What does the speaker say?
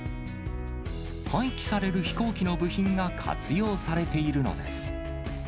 廃棄される飛行機の部品が活用されているのです。